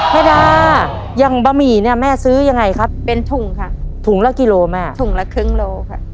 แม่ดาอย่างบะหมี่เนี่ยแม่ซื้อยังไงครับเป็นถุงค่ะถุงละกิโลแม่ถุงละครึ่งโลค่ะ